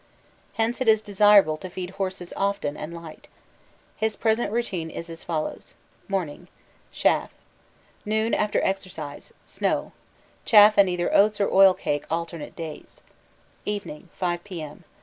Hence it is desirable to feed horses often and light. His present routine is as follows: Morning. Chaff. Noon, after exercise. Snow. Chaff and either oats or oil cake alternate days. Evening, 5 P.M.